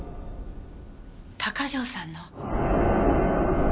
鷹城さんの。